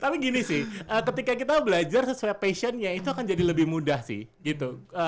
tapi gini sih ketika kita belajar sesuai passionnya itu akan jadi lebih mudah sih gitu